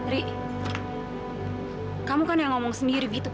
ri kamu kan yang ngomong sendiri gitu